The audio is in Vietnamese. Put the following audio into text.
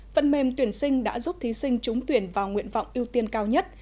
phần mềm tuyển sinh đã giúp thí sinh trúng tuyển vào nguyện vọng ưu tiên cao nhất